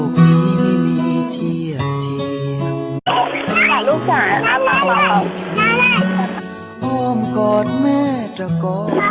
เชิญกับเชิญที่เค้าขอบคุณอย่างรัก